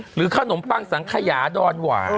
หรือข้าวหนมปังสังขยะด้อนไหว